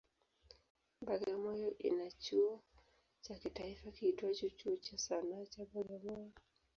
Bagamoyo ina chuo cha kitaifa kiitwacho Chuo cha Sanaa cha Bagamoyo.